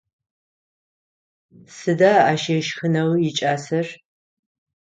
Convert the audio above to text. Сыда ащ ышхынэу икӏасэр?